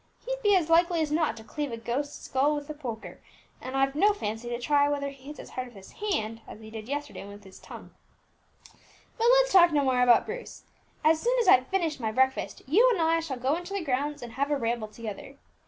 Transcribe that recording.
He'd be as likely as not to cleave a ghost's skull with a poker, and I've no fancy to try whether he hits as hard with his hand as he yesterday did with his tongue. But let's talk no more about Bruce. As soon as I've finished my breakfast, you and I shall go into the grounds and have a ramble together.